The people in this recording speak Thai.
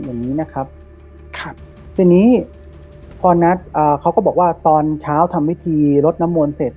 อย่างนี้นะครับครับทีนี้พอนัดอ่าเขาก็บอกว่าตอนเช้าทำพิธีรดน้ำมนต์เสร็จ